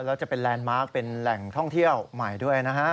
แล้วจะเป็นแลนด์มาร์คเป็นแหล่งท่องเที่ยวใหม่ด้วยนะฮะ